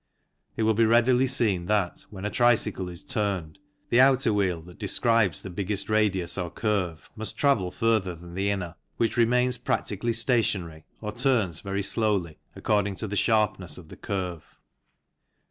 It will be readily seen that, when a tricycle is turned, the outer wheel that describes 20 THE CYCLE INDUSTRY the biggest radius or curve must travel further than the inner, which remains practically stationary or turns very slowly, according to the sharpness of the curve.